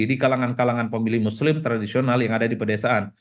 di kalangan kalangan pemilih muslim tradisional yang ada di pedesaan